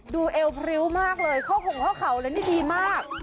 เอวพริ้วมากเลยข้อหงข้อเข่าเลยนี่ดีมาก